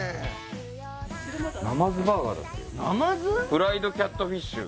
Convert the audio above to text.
「フライドキャットフィッシュ」。